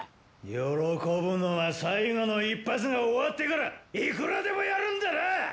喜ぶのは最後の一発が終わってからいくらでもやるんだなあーッ。